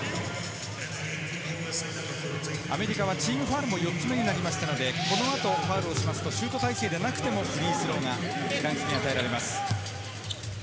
アメリカはチームファウルも４つ目になりましたので、この後ファウルをしますとシュート体勢でなくてもフリースローが、フランスに与えられます。